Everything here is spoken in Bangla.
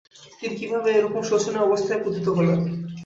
তিনি কিভাবে এরকম শোচনীয় অবস্থায় পতিত হলেন।